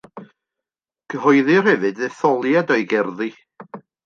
Cyhoeddir hefyd ddetholiad o'i gerddi.